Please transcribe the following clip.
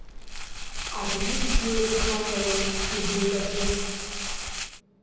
Абжьы бзиа ихазароуп, – иҳәеит аӡәы.